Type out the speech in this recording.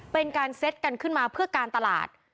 เป็นการเซ็ตกันขึ้นมาเพื่อการตลาด